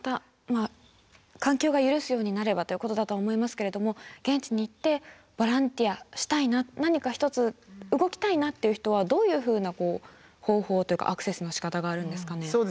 環境が許すようになればということだと思いますけれども現地に行ってボランティアしたいな何か一つ動きたいなっていう人はどういうふうな方法というかアクセスのしかたがあるんですかね？